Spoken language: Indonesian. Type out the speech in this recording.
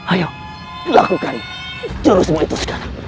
ayo lakukan jurusmu itu sekarang